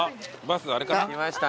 バスあれかな？